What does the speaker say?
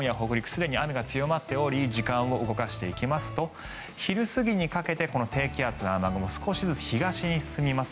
すでに雨が強まっており時間を動かしていきますと昼過ぎにかけて低気圧の雨雲少しずつ東に進みます。